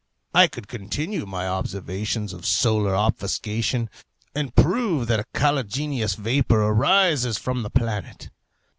I could continue my observations of solar obfuscation, and prove that a caligenous vapour arises from the planet.